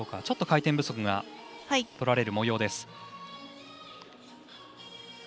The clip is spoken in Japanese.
ちょっと回転不足がとられるもようです。